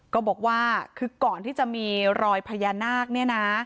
ก็บอกว่าคือก่อนที่จะมีรอยพญานาคเนี่ยนะ